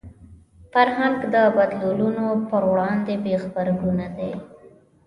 فرهنګ د بدلونونو پر وړاندې بې غبرګونه دی